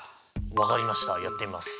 分かりましたやってみます。